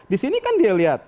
di sini kan dia lihat